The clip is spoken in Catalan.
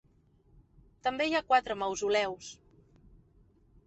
També hi ha quatre mausoleus.